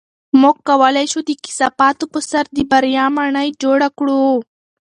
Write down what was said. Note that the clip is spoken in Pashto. موږ کولی شو د کثافاتو په سر د بریا ماڼۍ جوړه کړو.